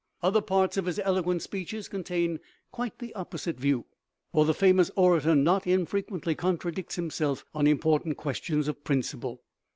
Other parts of his eloquent speeches contain quite the opposite view, for the famous orator not in frequently contradicts himself on important questions of principle.